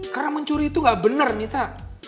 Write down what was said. karena mencuri itu gak benar mita